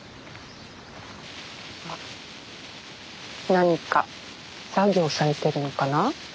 何か作業されてるのかな？